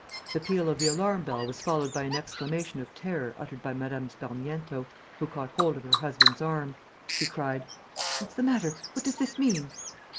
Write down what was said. The peal of the alarm bell was followed by an exclamation of terror uttered by Mme. Sparmiento, who caught hold of her husband's arm. He cried: "What's the matter? What does this mean?"